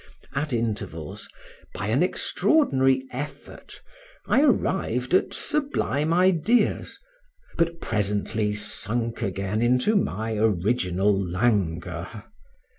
At intervals, by an extraordinary effort, I arrived at sublime ideas, but presently sunk again into my original languor.